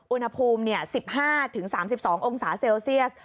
อุณหภูมิ๑๕๓๒องศาเซลเซียส